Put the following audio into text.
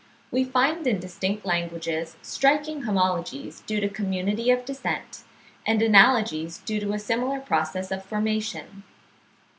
We find in distinct languages striking homologies due to community of descent, and analogies due to a similar process of formation.